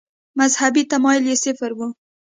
مذهبي تمایل یې صفر و.